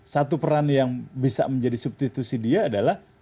satu peran yang bisa menjadi substitusi dia adalah